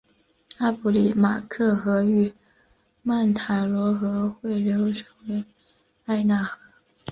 阿普里马克河与曼塔罗河汇流成为埃纳河。